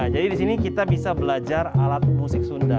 jadi di sini kita bisa belajar alat musik sunda